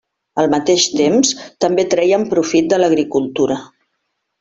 Al mateix temps, també treien profit de l'agricultura.